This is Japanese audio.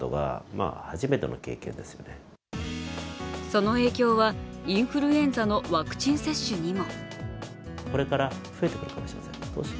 その影響は、インフルエンザのワクチン接種にも。